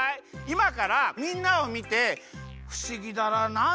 いまからみんなをみて「ふしぎだな？